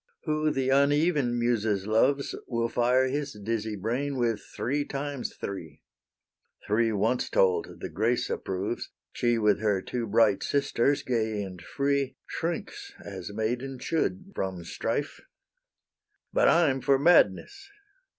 Who the uneven Muses loves, Will fire his dizzy brain with three times three; Three once told the Grace approves; She with her two bright sisters, gay and free, Shrinks, as maiden should, from strife: But I'm for madness.